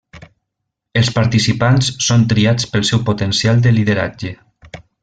Els participants són triats pel seu potencial de lideratge.